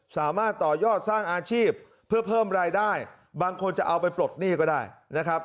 สามารถต่อยอดสร้างอาชีพเพื่อเพิ่มรายได้บางคนจะเอาไปปลดหนี้ก็ได้นะครับ